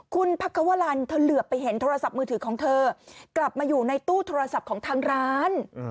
คุณพักควรรณเธอเหลือไปเห็นโทรศัพท์มือถือของเธอกลับมาอยู่ในตู้โทรศัพท์ของทางร้าน